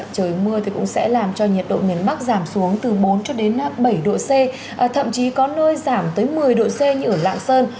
trời mưa thì cũng sẽ làm cho nhiệt độ miền bắc giảm xuống từ bốn cho đến bảy độ c thậm chí có nơi giảm tới một mươi độ c như ở lạng sơn